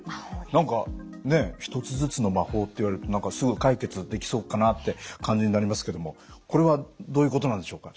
何か“ひとつずつ”の魔法って言われるとすぐ解決できそうかなって感じになりますけどもこれはどういうことなんでしょうか？